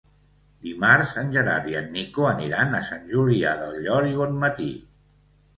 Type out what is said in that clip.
Dimarts en Gerard i en Nico aniran a Sant Julià del Llor i Bonmatí.